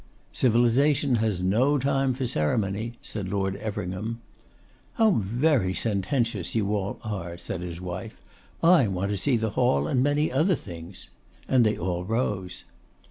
'Civilisation has no time for ceremony,' said Lord Everingham. 'How very sententious you all are!' said his wife. 'I want to see the hall and many other things.' And they all rose.